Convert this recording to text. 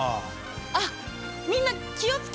あっみんな気を付け！